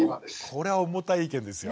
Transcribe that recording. これは重たい意見ですよ。